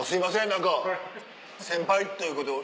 何か先輩ということを。